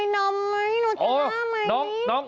นึกว่าเนอนมไหมถนูธาไหม